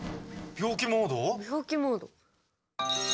病気モード。